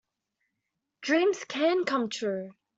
Dreams can come true.